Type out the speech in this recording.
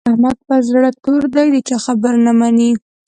احمد پر زړه تور دی؛ د چا خبره نه مني.